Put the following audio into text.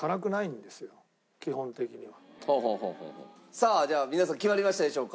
さあじゃあ皆さん決まりましたでしょうか？